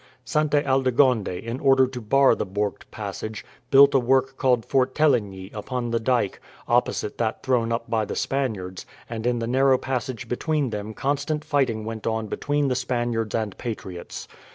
Sainte Aldegonde, in order to bar the Borght passage, built a work called Fort Teligny upon the dyke, opposite that thrown up by the Spaniards, and in the narrow passage between them constant fighting went on between the Spaniards and patriots.